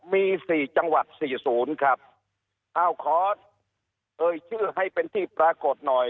มีสี่จังหวัดสี่ศูนย์ครับอ้าวขอเอ่ยชื่อให้เป็นที่ปรากฏหน่อย